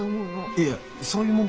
いやいやそういう問題？